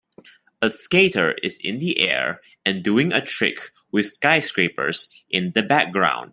A skater is in the air and doing a trick with skyscrapers in the background.